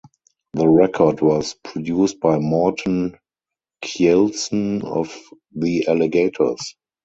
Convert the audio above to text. The record was produced by Morten Kjeldsen of The Alligators.